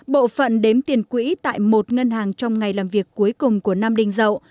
bộ phận đếm tiền quỹ tại một ngân hàng trong ngày làm việc cuối cùng của nam đinh dậu